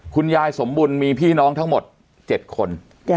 คุณยายสมบุญมีพี่น้องทั้งหมด๗คน